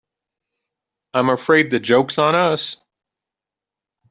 I'm afraid the joke's on us.